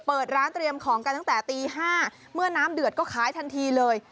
เปิดร้านเตรียมของกันตั้งแต่ตี๕เมื่อน้ำเดือดก็ขายทันทีเลย